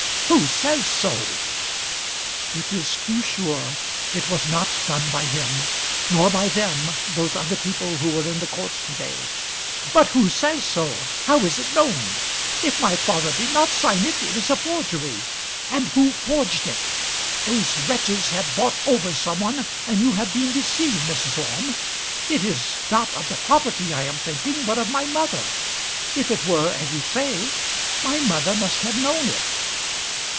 "Who says so?" "It is too sure. It was not done by him, nor by them, those other people who were in the court to day." "But who says so? How is it known? If my father did not sign it, it is a forgery; and who forged it? Those wretches have bought over some one and you have been deceived, Mrs. Orme. It is not of the property I am thinking, but of my mother. If it were as you say, my mother must have known it?"